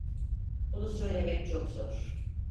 Bunu söylemek çok zor.